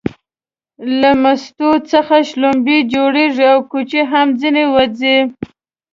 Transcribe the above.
له مستو څخه شلومبې جوړيږي او کوچ هم ځنې وځي